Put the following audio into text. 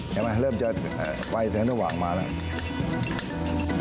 เห็นไหมเริ่มเจอไฟเสียงสว่างมาแล้ว